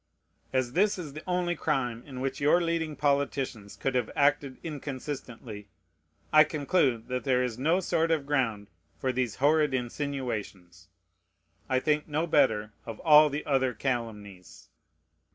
As this is the only crime in which your leading politicians could have acted inconsistently, I conclude that there is no sort of ground for these horrid insinuations. I think no better of all the other calumnies.